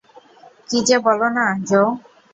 কী যে বলো না, জো।